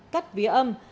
cắt vía âm